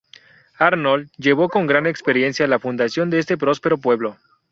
Arnold llevó con gran experiencia la fundación de este próspero pueblo.